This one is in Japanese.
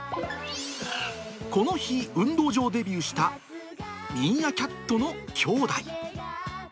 この日、運動場デビューしたミーアキャットの兄弟。